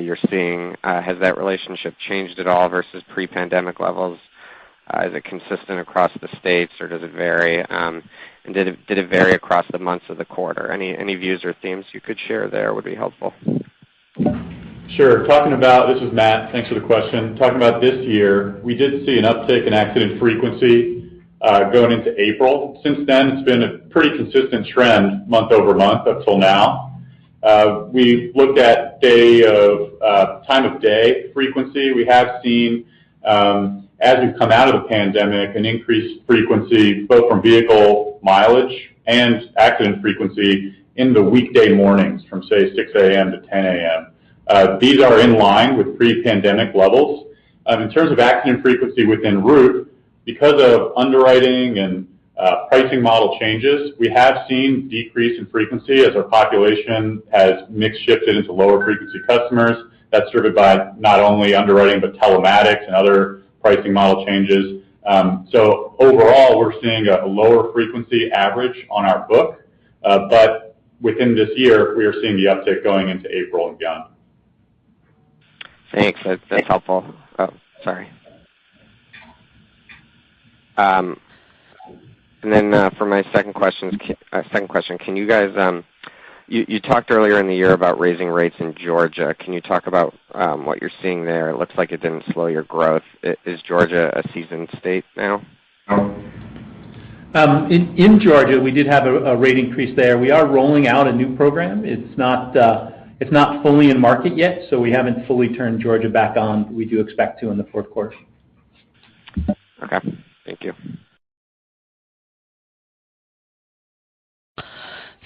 you're seeing. Has that relationship changed at all versus pre-pandemic levels? Is it consistent across the states, or does it vary? Did it vary across the months of the quarter? Any views or themes you could share there would be helpful. Sure. This is Matt, thanks for the question. Talking about this year, we did see an uptick in accident frequency going into April. Since then, it's been a pretty consistent trend month-over-month up till now. We looked at time of day frequency. We have seen, as we've come out of the pandemic, an increased frequency both from vehicle mileage and accident frequency in the weekday mornings from, say, 6 A.M. to 10 A.M. These are in line with pre-pandemic levels. In terms of accident frequency within Root, because of underwriting and pricing model changes, we have seen decrease in frequency as our population has mix shifted into lower frequency customers. That's driven by not only underwriting, but telematics and other pricing model changes. Overall, we're seeing a lower frequency average on our book. Within this year, we are seeing the uptick going into April and beyond. Thanks. That's helpful. Oh, sorry. For my second question, can you guys, you talked earlier in the year about raising rates in Georgia. Can you talk about what you're seeing there? It looks like it didn't slow your growth. Is Georgia a seasoned state now? In Georgia, we did have a rate increase there. We are rolling out a new program. It's not fully in market yet, so we haven't fully turned Georgia back on. We do expect to in the Q4. Okay. Thank you.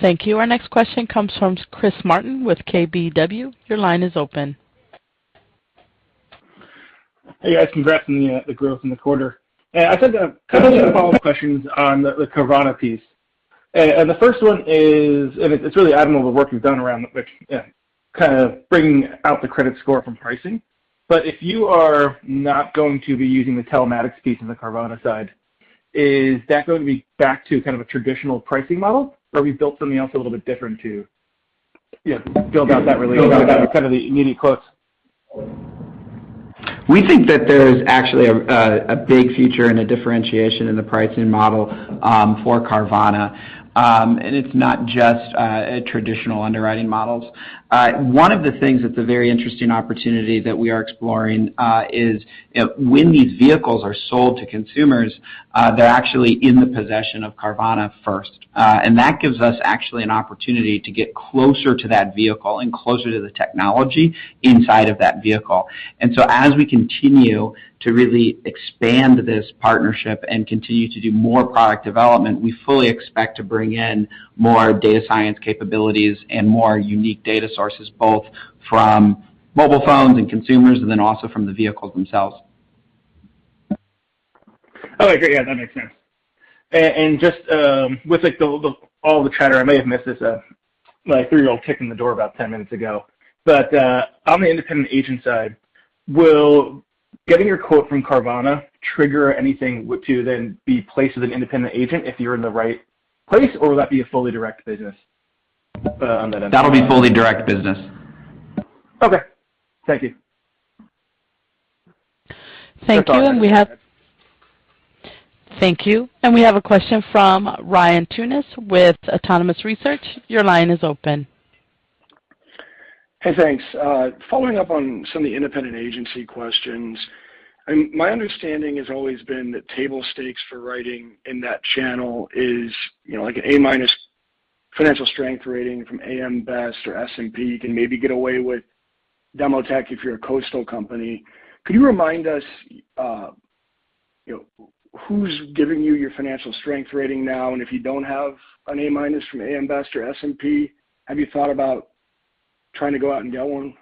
Thank you. Our next question comes from Chris Martin with KBW. Your line is open. Hey, guys. Congrats on the growth in the quarter. I just have a couple follow-up questions on the Carvana piece. And the first one is, and it's really admirable the work you've done around, which, yeah, kind of bringing out the credit score from pricing. But if you are not going to be using the telematics piece in the Carvana side, is that going to be back to kind of a traditional pricing model or have you built something else a little bit different to, you know, build out that really kind of the immediate quotes? We think that there's actually a big future and a differentiation in the pricing model for Carvana. It's not just a traditional underwriting models. One of the things that's a very interesting opportunity that we are exploring is when these vehicles are sold to consumers, they're actually in the possession of Carvana first. That gives us actually an opportunity to get closer to that vehicle and closer to the technology inside of that vehicle. As we continue to really expand this partnership and continue to do more product development, we fully expect to bring in more data science capabilities and more unique data sources, both from mobile phones and consumers and then also from the vehicles themselves. Okay, great. Yeah, that makes sense. Just with like all the chatter, I may have missed this. My three-year-old kicked in the door about 10 minutes ago. On the independent agent side, will getting your quote from Carvana trigger anything to then be placed as an independent agent if you're in the right place, or will that be a fully direct business on that end? That'll be fully direct business. Okay. Thank you. Thank you. We have a question from Ryan Tunis with Autonomous Research. Your line is open. Hey, thanks. Following up on some of the independent agency questions, and my understanding has always been that table stakes for writing in that channel is, you know, like an A-minus financial strength rating from AM Best or S&P. You can maybe get away with Demotech if you're a coastal company. Could you remind us, you know, who's giving you your financial strength rating now? If you don't have an A-minus from AM Best or S&P, have you thought about trying to go out and get one?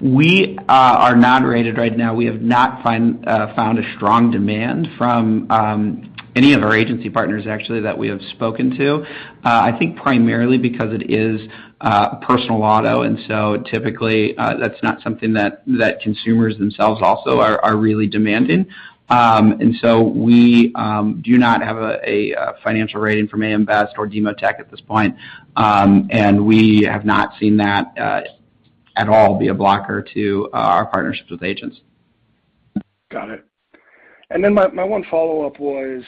We are not rated right now. We have not found a strong demand from any of our agency partners actually that we have spoken to. I think primarily because it is personal auto, and so typically that's not something that consumers themselves also are really demanding. We do not have a financial rating from AM Best or Demotech at this point. We have not seen that at all be a blocker to our partnerships with agents. Got it. My one follow-up was,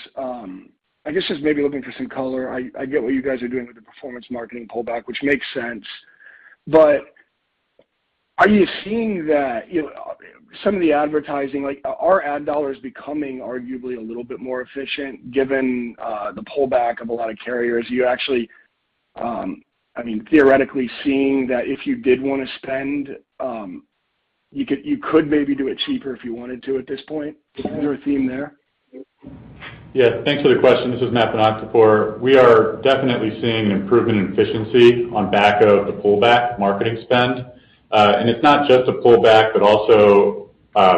I guess just maybe looking for some color. I get what you guys are doing with the performance marketing pullback, which makes sense. Are you seeing that, you know, some of the advertising like are ad dollars becoming arguably a little bit more efficient given the pullback of a lot of carriers? Are you actually, I mean, theoretically seeing that if you did want to spend, you could maybe do it cheaper if you wanted to at this point? Is there a theme there? Yeah. Thanks for the question. This is Matt Bonakdarpour. We are definitely seeing an improvement in efficiency on back of the pullback marketing spend. It's not just a pullback, but also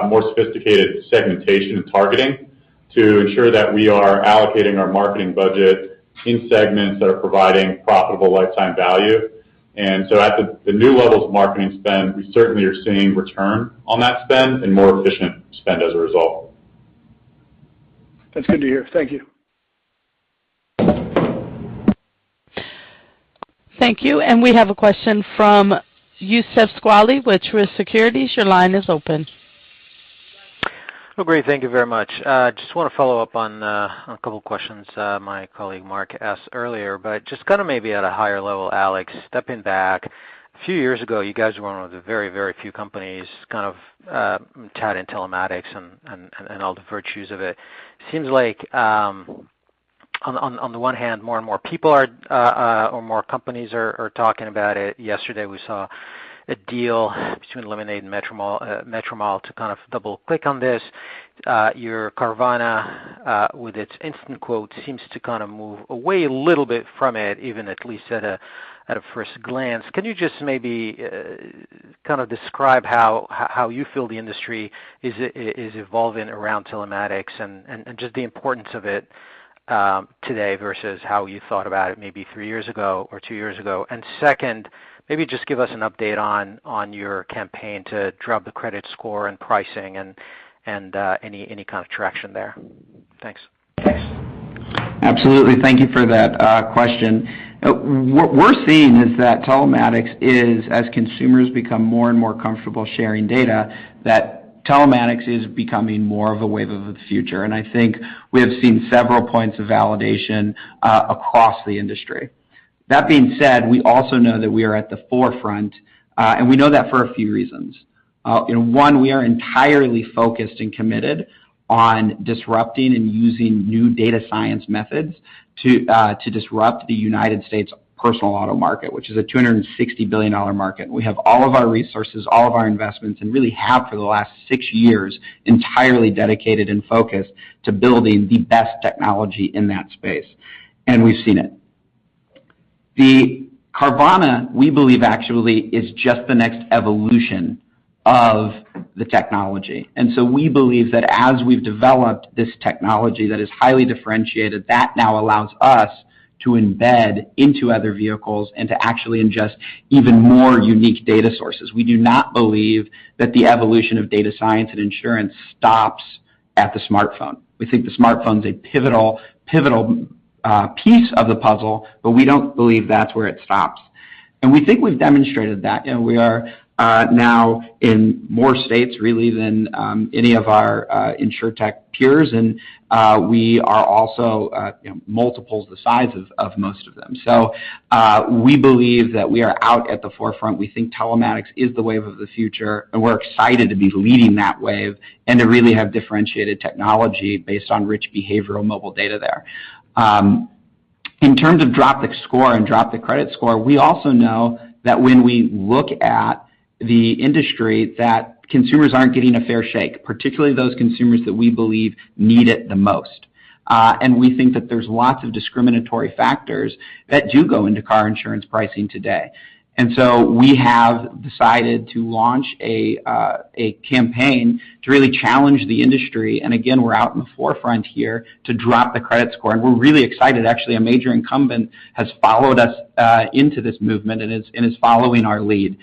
more sophisticated segmentation and targeting to ensure that we are allocating our marketing budget in segments that are providing profitable lifetime value. At the new levels of marketing spend, we certainly are seeing return on that spend and more efficient spend as a result. That's good to hear. Thank you. Thank you. We have a question from Youssef Squali with Truist Securities. Your line is open. Oh, great. Thank you very much. Just want to follow-up on a couple of questions my colleague Mark asked earlier, but just kind of maybe at a higher level, Alex, stepping back. A few years ago, you guys were one of the very, very few companies kind of chatting telematics and all the virtues of it. It seems like on the one hand, more and more people are or more companies are talking about it. Yesterday, we saw a deal between Lemonade and Metromile to kind of double-click on this. Your Carvana with its instant quotes seems to kind of move away a little bit from it, even at least at a first glance. Can you just maybe kind of describe how you feel the industry is evolving around telematics and just the importance of it today versus how you thought about it maybe three years ago or two years ago? Second, maybe just give us an update on your campaign to Drop the Credit Score and pricing and any kind of traction there. Thanks. Absolutely. Thank you for that, question. What we're seeing is that telematics, as consumers become more and more comfortable sharing data, that telematics is becoming more of a wave of the future. I think we have seen several points of validation across the industry. That being said, we also know that we are at the forefront, and we know that for a few reasons. You know, one, we are entirely focused and committed on disrupting and using new data science methods to disrupt the United States personal auto market, which is a $260 billion market. We have all of our resources, all of our investments, and really have for the last six years, entirely dedicated and focused to building the best technology in that space. We've seen it. Carvana, we believe actually is just the next evolution of the technology. We believe that as we've developed this technology that is highly differentiated, that now allows us to embed into other vehicles and to actually ingest even more unique data sources. We do not believe that the evolution of data science and insurance stops at the smartphone. We think the smartphone is a pivotal piece of the puzzle, but we don't believe that's where it stops. We think we've demonstrated that, you know, we are now in more states really than any of our insurtech peers. We are also, you know, multiples the sizes of most of them. We believe that we are out at the forefront. We think telematics is the wave of the future, and we're excited to be leading that wave and to really have differentiated technology based on rich behavioral mobile data there. In terms of Drop the Score and Drop the Credit Score, we also know that when we look at the industry, that consumers aren't getting a fair shake, particularly those consumers that we believe need it the most. We think that there's lots of discriminatory factors that do go into car insurance pricing today. We have decided to launch a campaign to really challenge the industry. We're out in the forefront here to Drop the Credit Score. We're really excited. Actually, a major incumbent has followed us into this movement and is following our lead.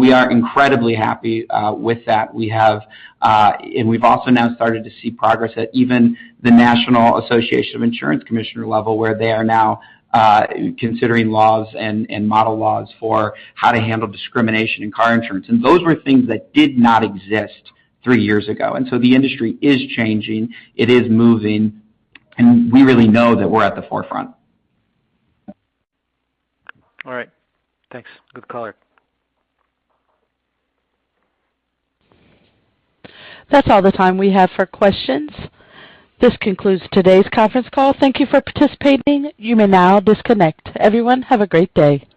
We are incredibly happy with that. We've also now started to see progress at even the National Association of Insurance Commissioners level, where they are now considering laws and model laws for how to handle discrimination in car insurance. Those were things that did not exist three years ago. The industry is changing, it is moving, and we really know that we're at the forefront. All right. Thanks. Good call. That's all the time we have for questions. This concludes today's conference call. Thank you for participating. You may now disconnect. Everyone, have a great day.